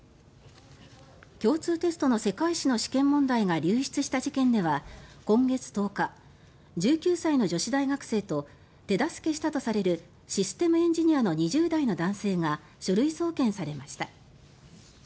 共通テストの世界史の試験問題が流出した事件では今月１０日１９歳の女子大学生と手助けしたとされるシステムエンジニアの２０代の男性が書類送検されました。